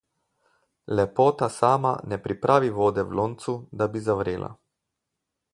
Lepota sama ne pripravi vode v loncu, da bi zavrela.